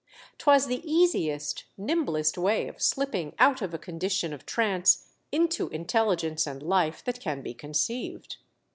'Twas the easiest, nimblest way of slipping out of a condition of trance into intelligence and life that can be conceived.